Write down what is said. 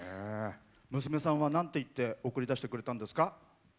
娘さんはなんて言って送り出してくれたんですか？